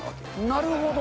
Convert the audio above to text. なるほど。